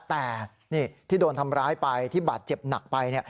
แต่ที่โดนทำร้ายไปที่บาทเจ็บหนักไป